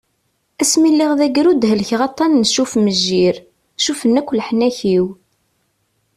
Ass mi lliɣ d agrud helkeɣ aṭan n "Cuff-mejjir", cuffen akk leḥnak-iw.